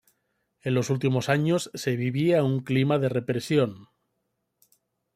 En los últimos años se vivía un clima de represión.